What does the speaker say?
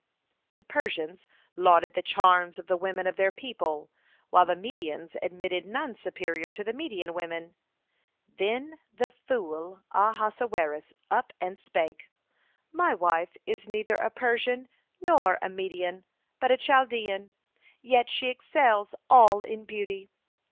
The Persians lauded the charms of the women of their people, while the Medians admitted none superior to the Median women. Then "the fool" Ahasuerus up and spake: "My wife is neither a Persian nor a Median, but a Chaldean, yet she excels all in beauty.